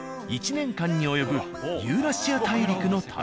１年間に及ぶユーラシア大陸の旅。